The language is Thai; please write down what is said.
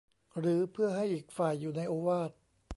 หรือเพื่อให้อีกฝ่ายอยู่ในโอวาท